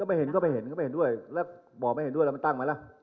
ไม่เห็นก็ไม่เห็นก็ไม่เห็นด้วยแล้วบอกไม่เห็นด้วยแล้วมันตั้งไหมล่ะ